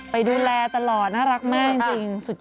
ไปดูแลตลอดน่ารักมากจริงสุด